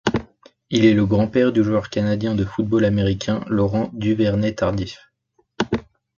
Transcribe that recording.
Il est le grand-père du joueur canadien de football américain Laurent Duvernay-Tardif.